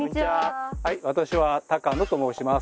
はい私は高野と申します。